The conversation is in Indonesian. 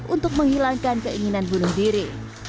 untuk menghilangkan keinginan bunuh diri